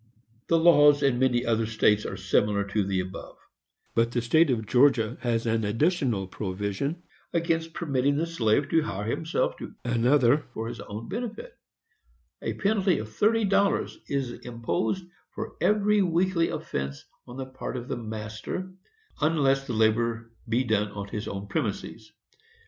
] The laws in many other states are similar to the above; but the State of Georgia has an additional provision, against permitting the slave to hire himself to another for his own benefit; a penalty of thirty dollars is imposed for every weekly offence, on the part of the master, unless the labor be done on his own premises.